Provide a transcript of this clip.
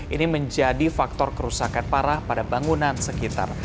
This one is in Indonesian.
ini menjadi faktor kerusakan parah pada bangunan sekitar